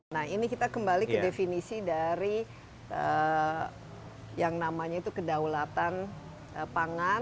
nah ini kita kembali ke definisi dari yang namanya itu kedaulatan pangan